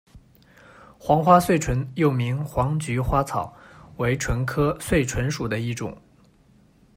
黄花穗莼又名黄菊花草，为莼科穗莼属的一种。